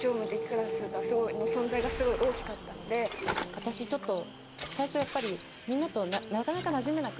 私ちょっと。